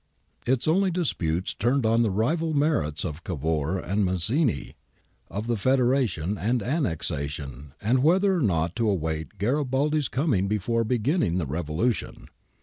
Its only disputes turned on the rival merits of Cavour and Mazzini, of Federation and Annexation and whether or not to await Garibaldi's coming before beginning the revolution.